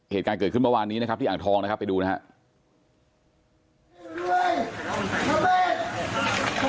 เหตุการณ์เกิดขึ้นเมื่อวานนี้นะครับที่อ่างทองนะครับไปดูนะครับ